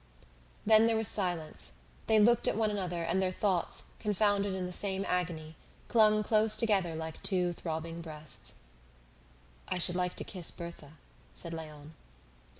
Then there was silence. They looked at one another and their thoughts, confounded in the same agony, clung close together like two throbbing breasts. "I should like to kiss Berthe," said Léon.